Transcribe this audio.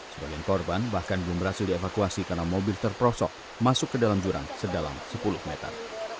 sebagian korban bahkan belum berhasil dievakuasi karena mobil terprosok masuk ke dalam jurang sedalam sepuluh meter